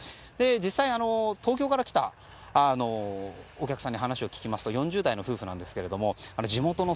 実際、東京から来たお客さんに話を聞きますと４０代の夫婦ですが、地元の